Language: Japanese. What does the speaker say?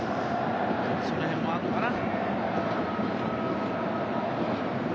その辺もあるのかな。